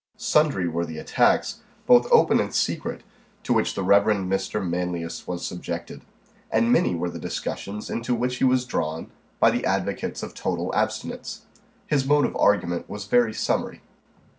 Sundry were the attacks, both open and secret, to which the Reverend Mr. Manlius was subjected, and many were the discussions into which he was drawn by the advocates of total abstinence. His mode of argument was very summary.